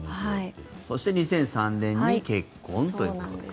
そして２００３年に結婚と。